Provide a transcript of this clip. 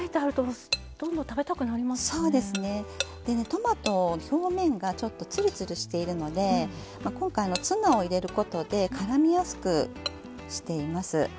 トマト表面がちょっとツルツルしているので今回ツナを入れることでからみやすくしています。